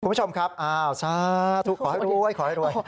คุณผู้ชมครับขอให้รวยขอให้รวย